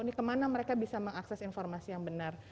ini kemana mereka bisa mengakses informasi yang benar